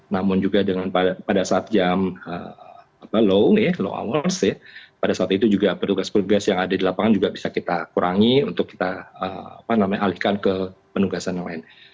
namun juga pada saat jam low hours ya pada saat itu juga petugas petugas yang ada di lapangan juga bisa kita kurangi untuk kita alihkan ke penugasan lain